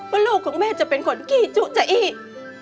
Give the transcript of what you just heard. ลูกของแม่จะเป็นคนขี้จุจะอี้